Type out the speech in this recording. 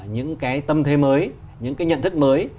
những cái tâm thế mới những cái nhận thức mới